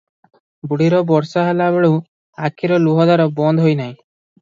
ବୁଢ଼ୀର ବର୍ଷାହେଲା ବେଳୁଁ ଆଖିରୁ ଲୁହଧାର ବନ୍ଦ ହୋଇ ନାହିଁ ।